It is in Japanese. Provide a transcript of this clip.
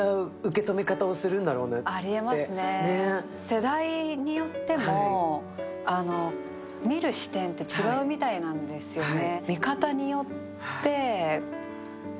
世代によっても見る視点って違うみたいなんですよね。